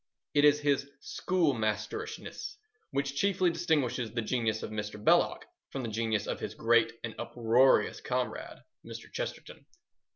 It is his schoolmasterishness which chiefly distinguishes the genius of Mr. Belloc from the genius of his great and uproarious comrade, Mr. Chesterton.